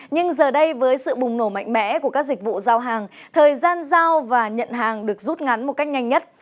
nhưng giờ đây với sự bùng nổ mạnh mẽ của các dịch vụ giao hàng thời gian giao và nhận hàng được rút ngắn một cách nhanh nhất